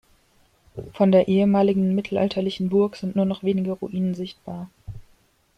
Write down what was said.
Von der ehemaligen mittelalterlichen Burg sind nur noch wenige Ruinen sichtbar.